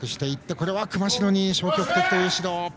これは熊代に消極的という指導。